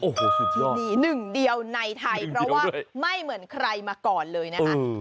โอ้โหสุดที่นี่หนึ่งเดียวในไทยเพราะว่าไม่เหมือนใครมาก่อนเลยนะคะ